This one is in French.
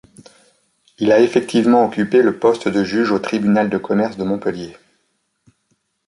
Il a effectivement occupé le poste de juge au tribunal de commerce de Montpellier.